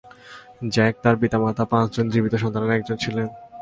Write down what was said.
Jack তার পিতামাতা পাঁচজন জীবিত সন্তানের একজন ছিলেন।